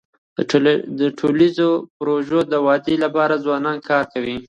د ټولنیزو پروژو د ودی لپاره ځوانان کار کوي.